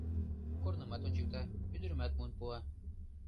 Корнымат ончыкта, ӱдырымат муын пуа.